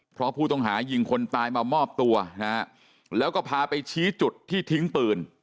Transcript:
เพราะผู้ต้องหายิงคนตายมามอบตัวนะฮะแล้วก็พาไปชี้จุดที่ทิ้งปืน